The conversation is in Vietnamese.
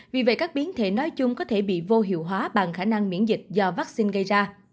vì vậy các biến thể nói chung có thể bị vô hiệu hóa bằng khả năng miễn dịch do vaccine gây ra